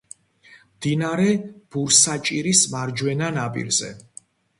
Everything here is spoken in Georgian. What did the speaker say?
მდინარე ბურსაჭირის მარჯვენა ნაპირზე.